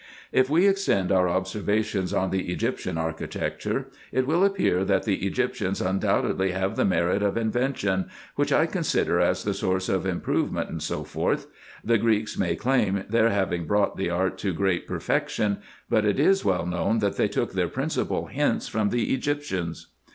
If we extend our observations on the Egyptian architecture, it will appear, that the Egyptians undoubtedly have the merit of invention, which I consider as the source of improvement, &c. The Greeks may claim their having brought the art to great per fection ; but it is well known, that they took their principal hints from the Egyptians.